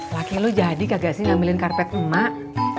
lagi lu jadi gak sih ngambilin karpet emak